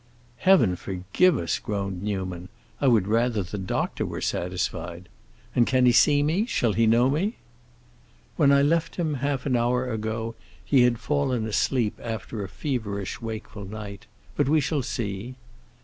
"Heaven forgive us!" groaned Newman. "I would rather the doctor were satisfied! And can he see me—shall he know me?" "When I left him, half an hour ago, he had fallen asleep after a feverish, wakeful night. But we shall see."